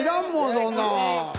そんなん。